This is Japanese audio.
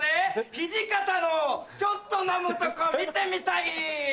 土方のちょっと飲むとこ見てみたい